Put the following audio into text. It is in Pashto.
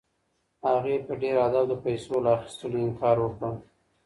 هغې په ډېر ادب د پیسو له اخیستلو انکار وکړ.